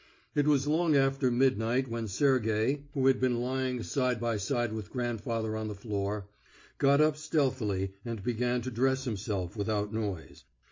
It was long after midnight when Sergey, who had been lying side by side with grandfather on the floor, got up stealthily and began to dress himself without noise.